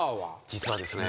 実はですね